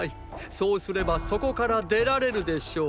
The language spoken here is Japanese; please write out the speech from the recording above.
そうすればそこから出られるでしょう。